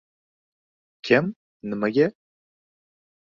— Kim, nimaga?